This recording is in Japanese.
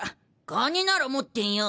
金なら持ってんよ。